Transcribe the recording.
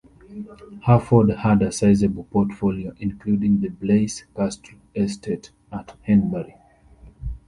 Harford had a sizeable portfolio, including the Blaise Castle Estate at Henbury.